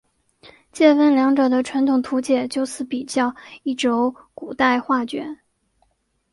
介分两者的传统图解就似比较一轴古代画卷。